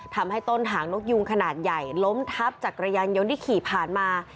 ทำให้ต้นหางนกยูงขนาดใหญ่ล้มทับจักรยานยนต์ที่ขี่ผ่านมา